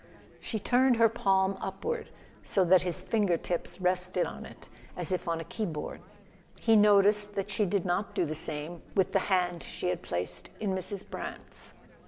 She turned her palm upward, so that his finger tips rested on it as if on a keyboard; he noticed that she did not do the same with the hand she had placed in Mrs. Brant's.